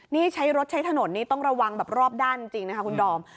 นี่ใช้รถใช้ถนนนี่ต้องระวังแบบรอบด้านจริงนะคะคุณดอม